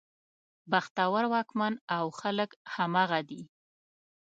بختور واکمن او خلک همغه دي.